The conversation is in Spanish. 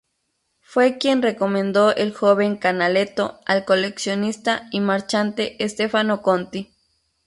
Fue quien recomendó el joven Canaletto al coleccionista y marchante Stefano Conti.